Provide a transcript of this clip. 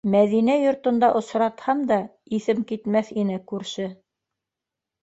Мәҙинә йортонда осратһам да иҫем китмәҫ ине - күрше.